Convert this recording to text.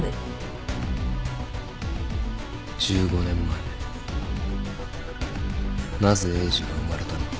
１５年前なぜエイジが生まれたのか。